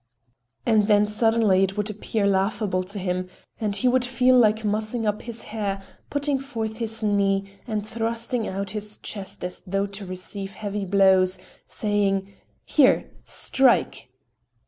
And then suddenly it would appear laughable to him and he would feel like mussing up his hair, putting forth his knee and thrusting out his chest as though to receive heavy blows; saying: "Here, strike!"